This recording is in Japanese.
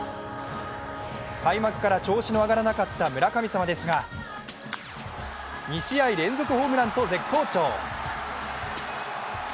開幕から調子の上がらなかった村神様ですが、２試合連続ホームランと絶好調。